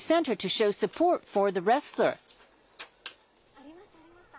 ありました、ありました。